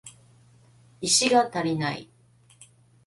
石が足りない